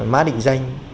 má định danh